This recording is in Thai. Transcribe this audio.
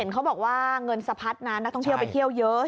เขาบอกว่าเงินสะพัดนั้นนักท่องเที่ยวไปเที่ยวเยอะ